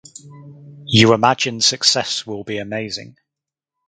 You imagine success will be amazing.